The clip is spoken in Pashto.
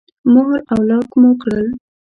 مهر او لاک مو کړل.